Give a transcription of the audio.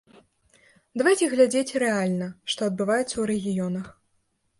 Давайце глядзець рэальна, што адбываецца ў рэгіёнах.